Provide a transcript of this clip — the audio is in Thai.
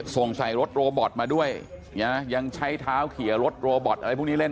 ส่งใส่รถโรบอตมาด้วยนะยังใช้เท้าเขียรถโรบอตอะไรพวกนี้เล่น